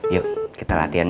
yuk kita latihan ya